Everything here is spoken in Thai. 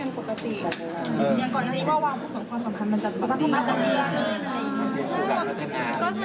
วางคุณก่อนสัญญากับคนสำคัญมันจะเป็นอย่างไร